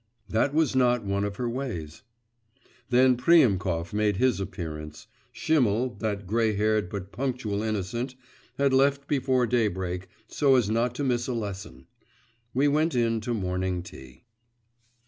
… That was not one of her ways. Then Priemkov made his appearance. Schimmel, that grey haired but punctual innocent, had left before daybreak so as not to miss a lesson. We went in to morning tea.